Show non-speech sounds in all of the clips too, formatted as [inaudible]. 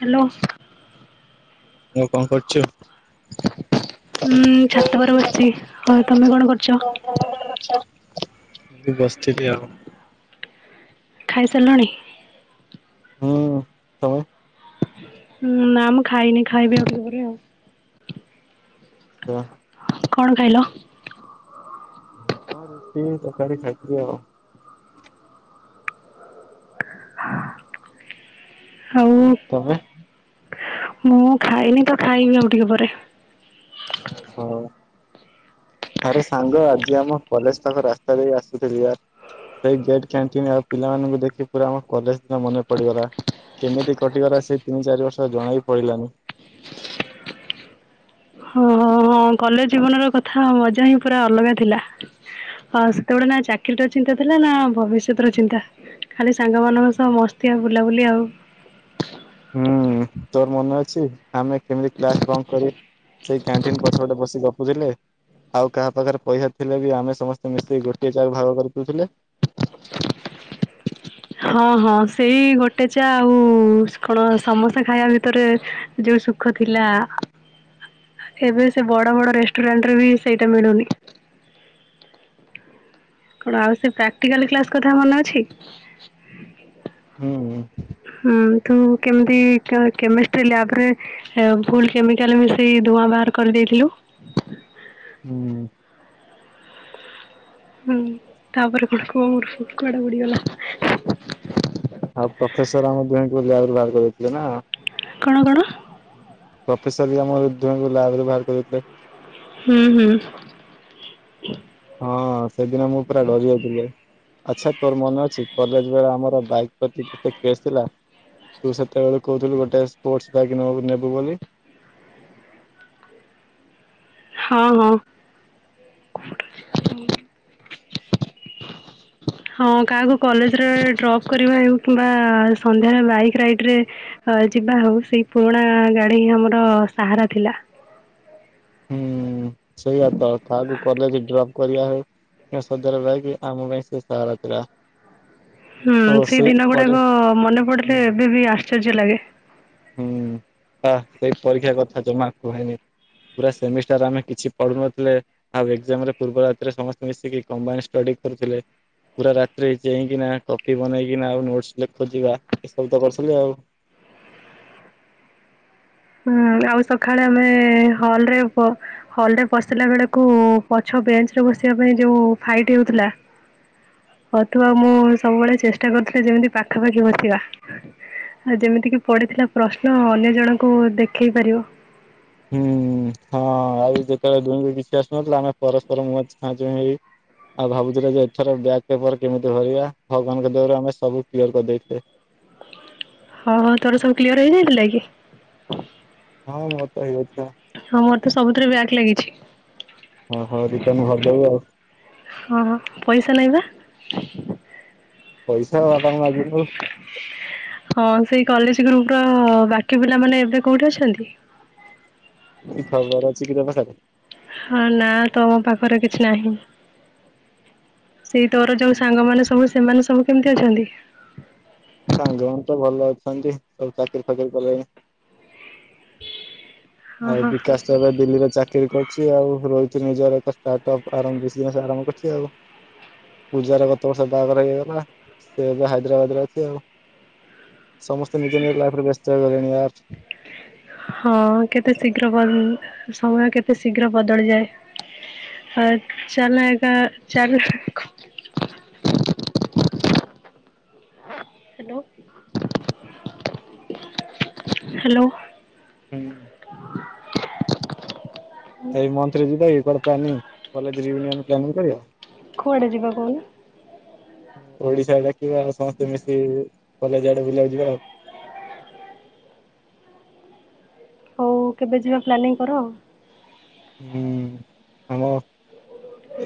Hello. Hello କଣ କରୁଚୁ? ହୁଁ ଛାତ ଉପରେ ବସିଚି ହଁ। ତମେ କଣ କରୁଚ? ଏ ବସିଥିଲି ଆଉ। ଖାଇ ସାରିଲଣି? ହଁ। ତମେ? ଉଁ ନାଁ ମୁଁ ଖାଇନି ଖାଇବି ଆଉ ଟିକେ ପରେ ଆଉ। [unintelligible] କଣ ଖାଇଲ? ହଁ ରୁଟି ତରକାରୀ ଖାଇଛି ଆଉ। ହଁ। ତମେ ମୁଁ ଖାଇନି ତ ଖାଇବି ଆଉ ଟିକେ ପରେ। ହଉ ଆରେ ସାଙ୍ଗ ଆଜି ଆମ କଲେଜ ପାଖ ରାସ୍ତା ଦେଇ ଆସୁଥିଲି ୟାର। ସେଇ ଗେଟ୍ କ୍ୟାଣ୍ଟିନ୍ ଆଉ ପିଲାମାନଙ୍କୁ ଦେଖି ପୁରା ଆମ କଲେଜ ଦିନ ମନେ ପଡିଗଲା। କେମିତି କଟିଗଲା ସେ ତିନି ଚାରି ବର୍ଷ ଜଣା ହି ପଇଲାନି। [inaudible] ହ ହ ହଁ କଲେଜ ଜୀବନ ର କଥା ମଜା ହିଁ ପୁରା ଅଲଗା ଥିଲା। ହଁ ସେତେବେଳେ ନା ଚାକିରିୀର ଚିନ୍ତା ଥିଲା ନା ଭବିଷ୍ୟତ ର ଚିନ୍ତା। ଖାଲି ସାଙ୍ଗମାନାନଙ୍କ ସହ ମସ୍ତି ଆଉ ବୁଲାବୁଲି ଆଉ। ଉମ। ତୋର ମନେ ଅଛି ଆମେ କେମତି କ୍ଲାସ ବନ୍ଦ କରି ସେଇ କ୍ୟାଣ୍ଟିନ ପଛପଟେ ବସି ଗ ବୁଝିଲେ। ଆଉ କାହା ପାଖରେ ପଇସା ଥିଲେ ବି ଆମେ ସମସ୍ତେ ମିଶେଇ ଗୋଟିଏ ଚା ର ଭାଗ କରିଦଉଥିଲେ। [inaudible] ହଁ ହଁ ସେଇ ଗୋଟେ ଚା ଆଉ କଣ ସମସା ଖାଇବା ଭିତରେ ଯୋ ସୁଖ ଥିଲା ଏବେ ସେ ବଡ ବଡ ରେଷ୍ଟୁରାଣ୍ଟ ରେ ବି ସେଇଟା ମିଳୁନି। [inaudible] କଣ ଆଉ ସେ ପ୍ରାକ୍ଟିକାଲ କ୍ଲାସ କଥା ମନେ ଅଛି? ହୁଁ ହମ ତୁ କେମିତି କେମିଷ୍ଟ୍ରୀ ଲ୍ୟାବରେ ଭୁଲ କେମିକାଲ ମିଶେଇ ଧୂଆଁ ବାହାର କରିଦେଇଥିଲୁ। ହୁଁ। ହୁଁ ତାପରେ କଣ କୁହ ମୋର କୁଆଡେ ଉଡ଼ିଗଲା। ଆଉ ପ୍ରଫେସର ଆମ [unintelligible] କଣ କଣ? ପ୍ରଫେସର ବି ଆମ ଦୁହିଁଙ୍କୁ ଲ୍ୟାବରୁ ବାହାର କରିଦେଇଥିଲେ। ହୁଁ ହୁଁ। ହଁ ସେଦିନ ମୁଁ ପୁରା ଡରି ଯାଇଥିଲି। ଆଛା ତୋର ମନେ ଅଛି କଲେଜ ବେଳେ ଆମର ବାଇକ ପ୍ରତି କେତେ କ୍ରେଜ୍ ଥିଲା। ତୁ ସେତେବେଳେ କହୁଥିଲୁ ଗୋଟେ ସ୍ପୋର୍ଟସ ବାଇକ୍ ନ ନେବୁ ବୋଲି। [inaudible] ହଁ ହଁ। [inaudible] ହଁ କାହାକୁ କଲେଜରେ ଡ୍ରପ କରିବା ହେଉ କିମ୍ବା ସନ୍ଧ୍ୟାରେ ବାଇକ୍ ରାଇଡ ରେ ଅ ଯିବା ହଉ ସେଇ ପୁରୁଣା ଗାଡି ହି ଆମର ସାହାରା ଥିଲା। ହୁଁ ସେଇଆ ତ ତାହାକୁ କଲେଜ ଡ୍ରପ୍ କରିବା ହେ ସଧରେ ବାଇକି ଆମ ପାଇଁ ସେ ସହାରା ଥିଲା। ହୁଁ ଓ ସେଇ ଦିନ ପରେ ଗୁଡାକ ମନେ ହୁଁ। ପଡିଲେ ଏବେ ବି ଆଶ୍ଚର୍ଯ୍ୟ ଲାଗେ। ହ ସେଇ ପରୀକ୍ଷା କଥା ଜମା କୁହେନି। ପୁରା ସେମିଷ୍ଟାର ଆମେ କିଛି ପଢୁନଥିଲେ ଆଉ ଏକ୍ସାମ ରେ ପୂର୍ବ ରାତିରେ ସମସ୍ତେ ମିଶିକି କମ୍ବାଇନ ଷ୍ଟଡି କରୁଥିଲେ। ପୁରା ରାତିରେ ଚେଇଁକିନା କପି ବନେଇକିନା ଆଉ ନୋଟସ ଲେ ଖୋଜିବା ଏସବୁ ତ କରୁଥିଲି ଆଉ। [inaudible] ହୁଁ ଆଉ ସକାଳେ ଆମେ ହଲରେ ହଲ ରେ ପଶିଲା ବେଳକୁ ପଛ ବେଞ୍ଚ ରେ ବସିବା ପାଇଁ ଯୋଉ ଫାଇଟ ହେଉଥିଲା। ହ ତୁ ଆଉ ମୁଁ ସବୁବେଳେ ଚେଷ୍ଟା କରୁଥିଲି ଯେମିତି ପାଖାପାଖି ବସିବା। ଆଉ ଯେମିତିକି ପଡିଥିଲା ପ୍ରଶ୍ନ ଅନ୍ୟ ଜଣଙ୍କୁ ଦେଖେଇ ପାରିବ। ହୁଁ ହଁ ଆଉ ଯେତେବେଳେ ଦୁହିଁ ଙ୍କୁ କିଛି ଆସୁନଥିଲା ନଥିଲା ଆମେ ପରସ୍ପର ମୁଁହ ଆଁ ଯ ଏଇ [unintelligible] ଆଉ ଭାବୁଥିଲେ ଯେ -ଏଥର ବ୍ୟକ ପେପର କେମିତି ଭରିବା? ଭଗବାନଙ୍କ ଦୟା ରୁ ଆମେ ସବୁ କ୍ଲିୟର କରିଦେଇଥିଲେ। ହଁ ହଁ ତୋର ସବୁ କ୍ଲିୟର ହେଇଯାଇଥିଲା କି? ହଁ ମୋର ତ ହେଇଯାଇଥିଲା। ହଁ ମୋର ତ ସବୁଥିରେ ବ୍ୟାକ୍ ହଁ ହଉ ଲାଗିଛି। ରିଟର୍ଣ ଭରିଦବୁ ଆଉ ହଁ ପଇସା ନାଇଁ ପା [inaudible] ପଇସା ବାବାଙ୍କୁ ମାଗିଦେବ ହଁ ସେଇ କଲେଜ ଗ୍ରୁପ ର ବାକି ପିଲାମାନେ ଏବେ କୋଉଠି ଅଛନ୍ତି? କିଛି ଖବର ଅଛି କି କା ପାଖରେ ହଁ ନା ତମ ପାଖରେ କିଛି ନାହିଁ। ସେଇ ତୋର ଯୋଉ ସାଙ୍ଗ ମାନ ସବୁ ସେମାନେ ସବୁ କେମିତି ଅଛନ୍ତି? ସାଙ୍ଗ ମାନ ତ ଭଲ ଅଛନ୍ତି, ସବୁ ଚାକିରି ଫାକିରି କଲେଣି। ହଁ ଆଉ ହଁ ବିକାଶ ତ ଏବେ ଦିଲ୍ଲୀରେ ଚାକିରି ବିକ୍ରି କରୁଛି ଆଉ ରହିଛି ନିଜର ଏକାର୍ଟପ ଆର ଆରମ୍ଭ କରିୁଛି ଆଉ [unintelligible] ପୂଜାରେ ଗତ ବର୍ଷ ବାହାଘର ହେଇଗଲା ସେ ଏବେ ହାଇଦ୍ରାବାଦ ରେ ଅଛି ଆଉ ସମସ୍ତେ ନିଜ ନିଜ ଲାଇଫ ରେ ବ୍ୟସ୍ତ ହେଇଗଲେଣି ୟାର [inaudible] ହଁ କେତେ ଶୀଘ୍ର ସମୟ କେତେ ଶୀଘ୍ର ବଦଳିଯାଏ। ଆ ଚାଲଏକା ଚାଲ [unintelligible] ହ୍ୟାଲୋ! ହୁଁ! [unintelligible] ଏଇ ମନ୍ତ୍ରୀ ଯିଦଇ କରତା ନିଁ [unintelligible] କଲେଜ ରିୟୁନିଅନ ପ୍ଲାନି କରିବା କୁଆଡେ ଯିବା କହୁନ ଓଡିଶାରେ ଥିବା ଆଉ ସମସ୍ତେ ମିଶିକ କଲେଜ ଆଡେ ବୁଲିବାକୁ ଯିବା ଆଉ [inaudible] ହଉ କେବେ ଯିବା ପ୍ଲାନିଂ କର। ହୁଁ ଆମ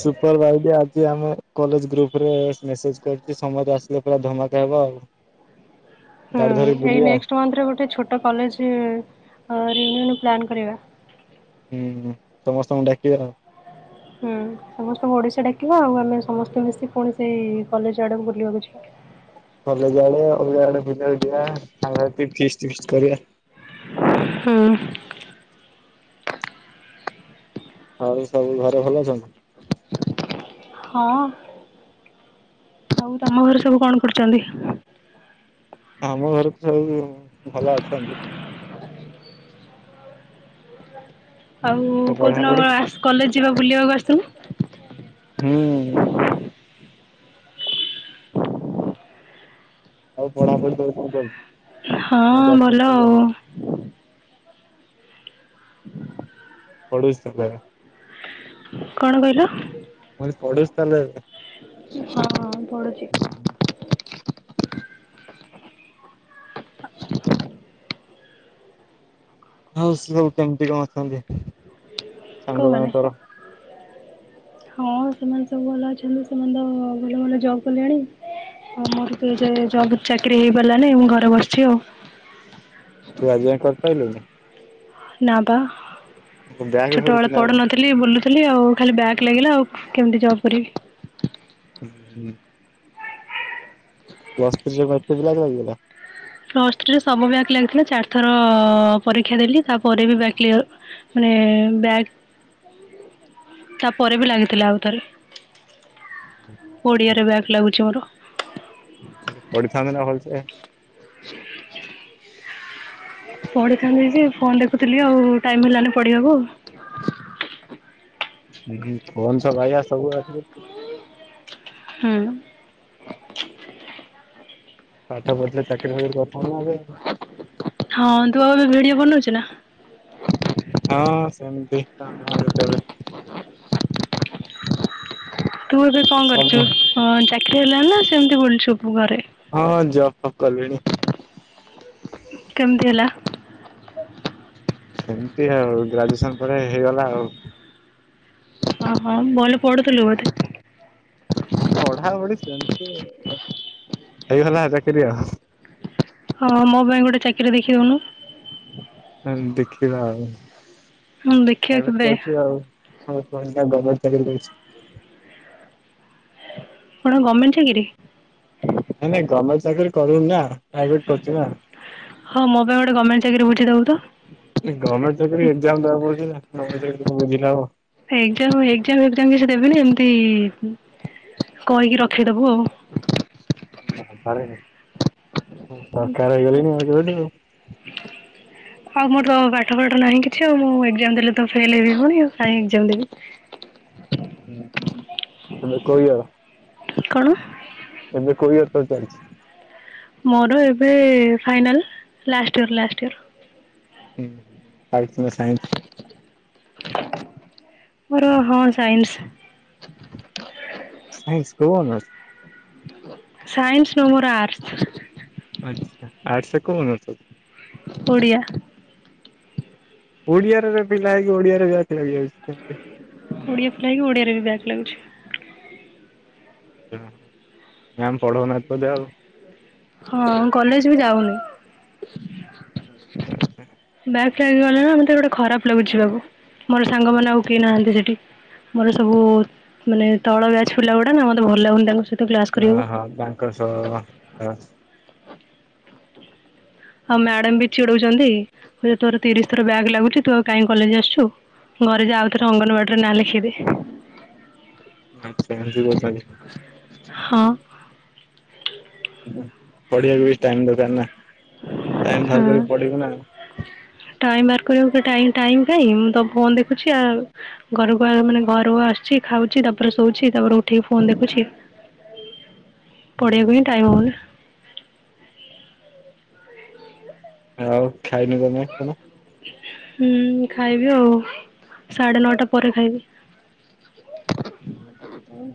ସୁପର ଭାଇ ଆଜି ଆମ କଲେଜ ଗ୍ରୁପ ମେସେଜ କରୁ ସମସ୍ତେ ଆସିଲେ ପୁରା ଧ ହବ ଆଉ! ହୁଁ ଗାଡି ଧରି ଏଇ ବୁଲିବା ନେକ୍ସଟେ ମନ୍ଥ ରେ ଗୋଟେ ଛୋଟ କଲେଜ ପ୍ଲାନ୍ କରିବା। ହୁଁ ସମସ୍ତଙ୍କୁ ଡାକିବା ଆଉ! ହୁଁ! ସମସ୍ତଙ୍କୁ ଓଡିଶା ଡାକିବା ଆଉ ଆମେ ସମସ୍ତେ ମିଶି ପୁଣି ସେଇ କଲେଜ ଆଡାକୁ ବୁଲିବାକୁ ଯିବା। କଲେଜ ଆଡେ ଅଲଗା ଆଡେ କେତେବେଳେ ଯିବା ସାଙ୍ଗ ହେଇକି ଫିଷ୍ଟ ଫିଷ୍ଟ୍ କରିବା। ହୁଁ ଆଉ ସବୁ ଘରେ ଭଲ ଅଛନ୍ତି। ହଁ! ଆଉ ତମ ଘରେ ସବୁ କଣ କରୁଛନ୍ତି? ଆମ ଘରକୁ ସବୁ ଭଲ ଅଛନ୍ତି। ତ ଆଉ କୋଉ ଦିନ ପଢାପଢି କଲେଜ ଯିବା ବୁଲିବାକୁ ଆସିଥିଲ ନା ହୁଁ! ଆଉ ପଢାପଢି କେମିତି କଣ ଚାଲିଛି? ନା ହଁ ଜବ୍ ଫବ୍ ଭଲ କଲୁଣି? ଆଉ! [unintelligible] ପଢୁଛି ତ କଣ କହିଲ? ପଢୁଛୁ ତାହେଲେ ହଁ ପଢୁଛି। ହଉ ସେ ସବୁ କେମିତି କଣ ଅଛନ୍ତି? କଉ ସାଙ୍ଗମାନେ ମାନେ? ତୋର? ହଁ ସେ- ସବୁ ଭଲ ଅଛନ୍ତି ସେମାନେ ତ ଭଲ ଭଲ ଜବ୍ କଲେଣି ଆଉ ମୋର- ଯେ ଜବ ଚାକିରି ହେଇପାରିଲାନି ମୁଁ ଘରେ ବସିଛି ଆଉ। ତୁ ଆଜି ଯାଏଁ କରି ପାଇଲୁନି। ନା ବା ବ୍ୟାକ୍ କରୁଛୁ ଛୋଟବେଳେ ନା କଣ? ପଢୁନଥିଲି ବୁଲୁଥିଲି ଆଉ ଖାଲି ବ୍ୟାକ ଲାଗିଲା ଆଉ। କେମିତି ଜବ୍ କରିବି? [inaudible] ପ୍ଲସ ଥ୍ରି ରେ ବ୍ୟାକ ଫ୍ୟାକ [unintelligible] ପ୍ଲସ୍ ଥ୍ରୀରେ ସବୁ ବ୍ୟାକ୍ ଲାଗିଥିଲା ଚାରି ଥର ପରୀକ୍ଷା ଦେଲି ତାପରେ ବି ବ୍ୟାକ୍ କ୍ଲିୟର ମାନେ ବ୍ୟାକ୍ ତାପରେ ବି ଲାଗିଥିଲା ଆଉ ଥରେ। ଓଡିଆରେ ବ୍ୟାକ୍ ଲାଗୁଚି ମୋର। ପଢ଼ିଥାନ୍ତ ନା ଭଲ ସେ। ପଢିଥାନ୍ତି ଯେ ଫୋନ୍ ଦେଖୁଥିଲି ଆଉ ଟାଇମ୍ ହେଲାନି ପଢିବାକୁ। ଉଁ ହୁଁ ଫୋନ ତ ବାଇଆ ସବୁ [unintelligible] ହୁଁ। ପାଠ ପଢିଥିଲେ ଚାକିରି ଫାକିରି କରିଥାନ୍ତୁ ନା ଏବେ। ହଁ ତୁ ଆଉ ଏବେ ଭିଡିଓ ବନଉଚୁ ନା? ହଁ ସେମିତି ଙ୍କା ଭା ଯେତେବେଳେ। ତୁ ଏବେ କଣ କରୁଚୁ ସବୁ ଉଁ ଚାକିରି ହେଲାଣି ନା ସେମିତି ବୁଲୁଚୁ? ମୁଁ ଘରେ ହଁ ଜବ୍ ଫବ୍ କଲିଣି। କେମିତି ହେଲା? ସେମିତି ଆଉ ଗ୍ରାଜୁଏସନ୍ ପରେ ହେଇଗଲା ଆଉ। ଅ ହ ଭଲ ପଡୁଥିଲୁ ବୋଧେ? ପଢା ପଢି ସେମିତି ହେଇଗଲା ଚାକିରି ଆଉ। ହଁ ମୋ ପାଇଁ ଗୋଟେ ଚାକିରି ଦେଖିଦଉନୁ। ହୁଁ ଦେଖିବା ଆଉ। ହଁ ଆମେ ଦେଖିବା ପ୍ରାଇଭେଟ୍ କେବେ କରଛୁ ଆଉ ଆମେ ଥୋଡ଼ି ନା ଗୋମେଣ୍ଟ ଚାକିରି କରୁଚୁ। କଣ ଗର୍ମେଣ୍ଟ ଚାକିିରି? କରୁନୁ ନା ପ୍ରାଇଭେଟ୍ କରୁଚି ନା। ହଁ ମୋ ପାଇଁ ଗୋଟେ ଗମେଣ୍ଟ ଚାକିରି ବୁଝି ଦଉନୁ ତୁ। ଗର୍ମେଣ୍ଟ ଚାକିରି ଏକ୍ଜାମ ଦେବାକୁ ପଡୁଛି ନା ଗର୍ମେଣ୍ଟ ଚାକିରି କଣ ବୁଝିଲେ ହେବ। ଏକ୍ଜାମ୍ ଏକ୍ଜାମ୍ ଫେକ୍ଜାମ୍ କିଛି ଦେବନି ଏମିତି କହିକି ରଖିଦବୁ ଆଉ। ହଁରେ ମୁଁ ସରକାର ହେଇଗଲେଣିି ଏବେ କେବେ ଠୁଁ ଆଉ ମୋର ତ ପାଠ ପାଠ ନାହିଁ କିଛି ଆଉ ମୁଁ ଏକଜାମ ଦେଲେ ତ ଫେଲ ହେବି ପୁଣି ଆଉ କାଇଁ ଏକଜାମ ଦେବି। ତମେ [unintelligible] କଣ? ଏବେ କୋଉ ଇୟର୍ ତୋ ଚାଲଛି? ମୋର ଏବେ ଫାଇନାଲ ଲାଷ୍ଟୟର ଲାଷ୍ଟୟର। ହ ଆଟ ନା ସାଇନ୍ସ? ମୋର ହଁ ସାଇନ୍ସ। ସାଇନ୍ସ କୋଉ ଅନର୍ସ? ସାଇନ୍ସ ନୁ ମୋର ଆର୍ସ। ଆଚ୍ଛା ଆର୍ଟ୍ସ ରେ କୋଉ ଓନୋର୍ସ? ଓଡ଼ିଆ। ଓଡ଼ିଆରରେ ପିଲା ହେଇକି ଓଡିଆରେ ବ୍ୟାକ୍ ଲଗିଲାଣି। [unintelligible] କାହିଁକି ଓଡ଼ିଆରେ ବି ବ୍ୟାକ୍ ଲାଗୁଛି। ମ୍ୟାମ୍ ପଢଉନାହାତି ବୋଧେ ଆଉ। ହଁ କଲେଜ ବି ଯାଉନି ଆଛା ଆଛା। କାଇ ଗଲେ ନା ମୋତେ ଗୋଟେ ଖରାପ ଲାଗୁଛି ଯିବାକୁ ମୋର ସାଙ୍ଗମାନେ ଆଉ କେହି ନାହାନ୍ତି ସେଠି ମୋର ସବୁ-ଉ-ଉ ମାନେ ତଳ ବ୍ୟାଚ୍ ପିଲା ଗୁଡା ନା ମତେ ଭଲ ଲାଗୁନି ତାଙ୍କ ସହିତ କ୍ଲାସ ହ କରିବାକୁ। ହଁ ବ୍ୟାଙ୍କର୍ସ ହ ଆଉ ମ୍ୟାଡାମ ବି ଚଛିଡଉଛନ୍ତି ତୋର ତିରିଶ ଥର ବ୍ୟାଗ୍ ଲାଗୁଛି ତୁ ଆଉ କାହିଁ କଲେଜ ଆସିଛୁ। ଘରେ ଯାଉଥରେ ଅଙ୍ଗନବାଡିରେ ନା ଲଖାଇଦେ। ଆଚ୍ଛା ଏମ୍ ତି କଥା କି? ହଁ। [inaudible] ପଢିବାକୁ ବି ଟାଇମ୍ ଦରକାର ନା ଟାଇମ୍ ବାହାର ହଁ। କର ପଡିବ ନା ଆଉ। ଟାଇମ୍ ବାହାର କରିବାକୁ ଟାଇମ୍ କାଇଁ ମୁଁ ତ ଫୋନ ଦେଖୁଛି ଆଉ ଘରକୁ ମାନେ ଘରୁ ଆସଛି ଖାଉଛି ତାପରେ ଶୋଉଛି ତାପରେ ଉଠିକି ଫୋନ ଦେଖୁଛି। ପଢ଼ିବାକୁ ହୁଁ ଟାଇମନ ଆଉ ଖାଇନି ତମେ କଣ ହୁଁ ଖାଇବି ଆଉ ସାଢେ ନଅଟା ପରେ ଖାଇବି।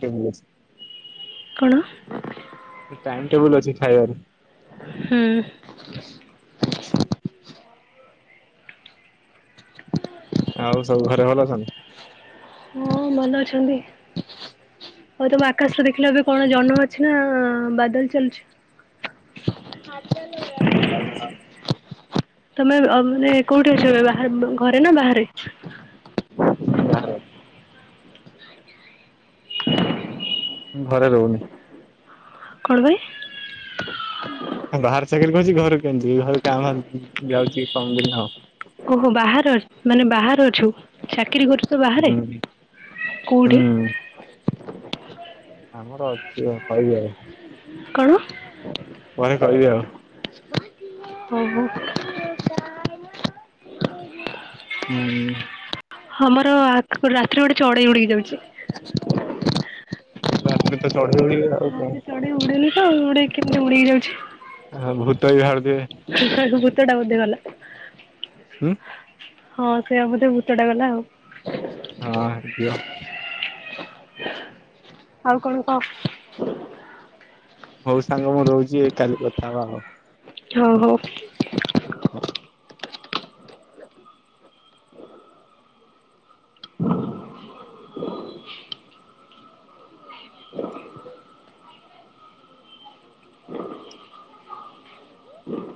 ଚଛି କଣ? ଟାଇମ ଟେବୁଲ ଅଛି ଖାଇବାର ହୁଁ। ଆଚ୍ଛା ଆଉ ସବୁ ଘରେ ଭଲ ଅଛନ୍ତି। [inaudible] ହଁ ଭଲ ଅଛନ୍ତି। [inaudible] ଆଉ ତମ ଆକାଶରେ ଦେଖିଲେ ଏବେ କଣ ଜନ୍ମ ଅଛି ନା ବାଦଲ ଚାଲୁଛି। ହଁ ଚାଲ। ସେ ମାନେନା ତମେ ମାନେ କୋଉଠି ଅଛ ଏ ବାହ ଘରେ ନା ବାହାରେ? [inaudible] ଘରେ ରହୁନି। କଣ ପାଇଁ? ବାହାର ଚାକିରି କହୁଛି ଘର କେମିତି ଘର କାମ ଯାଉଛି କମ୍ ଦିନ ଆଉ ଓହୋ ବାହହାର ମାନେ ବାହହାର ଅଛୁ ଛା ଚାକିରି କରୁଛ ବାହାରେ ହୁଁ କଉଠି? ହୁଁ ଆମର ଅଛି କ କଣ? ପରେ କହିବି ଆଉ। ଓହୋ ହୁଁ। ଆମର ରାତିରେ ଗୋଟେ ଚଢେଇ ଉଡେଇକି ଯାଉଛି। ରାତିରେ ତ ଚଢେଇ ହେଇଗଲା ଆଉ କଣ। ଉଡ଼ିନି ତ ଉଡ଼ିକି କେମିତି ଉଡିକି ଯାଉଛି। ଭୂତ ହିଆଡୁ ଭୂତଟା ବୋଧେ ଗଲା। ହୁଁ ହଁ ସେଇଆ ବୋଧେ ଭୂତଟା ଗଲା ଆଉ। ହଁ ହେ ଆଉ କଣ କହ। ହଉ ସାଙ୍ଗ ମୁଁ ରହୁଛି କାଲି କଥା ହବା ଆଉ। ହୋଉ ହୋଉ। ହୋଉ [inaudible] [inaudible] [inaudible] [inaudible]